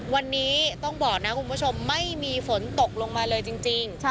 วันนี้ต้องบอกนะคุณผู้ชมไม่มีฝนตกลงมาเลยจริง